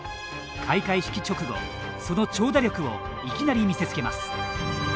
開会式直後、その長打力をいきなり見せつけます。